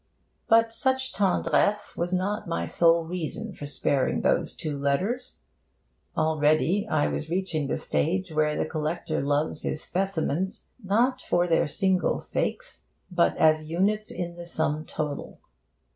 But such tendresse was not my sole reason for sparing those two letters. Already I was reaching that stage where the collector loves his specimens not for their single sakes, but as units in the sum total.